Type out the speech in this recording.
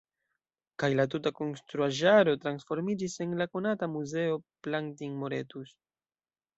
Kaj la tuta konstruaĵaro transformiĝis en la konata Muzeo Plantijn-Moretus.